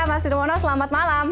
mas nirwono selamat malam